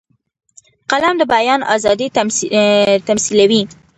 قلم د بیان آزادي تمثیلوي